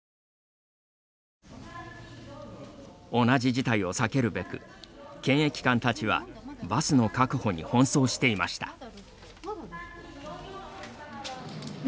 同じ事態を避けるべく検疫官たちはバスの確保に奔走していました。